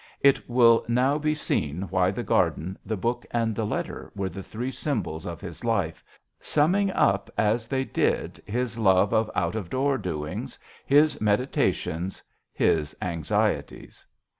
It will now be seen why the garden, the book, and the letter were the three symbols of his life, summing up as they did his love of out of door doings, his meditations, his anxieties.